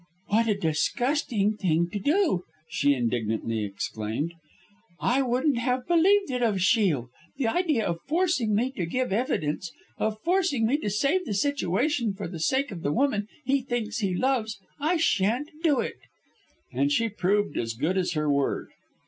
"What a disgusting thing to do," she indignantly exclaimed. "I wouldn't have believed it of Shiel. The idea of forcing me to give evidence of forcing me to save the situation for the sake of the woman he thinks he loves! I shan't do it!" And she proved as good as her word.